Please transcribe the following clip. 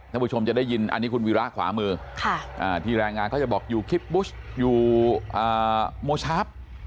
ผู้ชมจะได้ยินอันนี้คุณวีระขวามือที่แรงงานเขาจะบอกอยู่คิปบุชอยู่โมชาร์ฟ